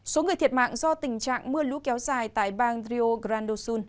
số người thiệt mạng do tình trạng mưa lũ kéo dài tại bang rio grande do sul